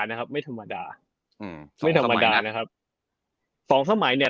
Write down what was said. นะครับไม่ธรรมดาอืมไม่ธรรมดานะครับสองสมัยเนี้ย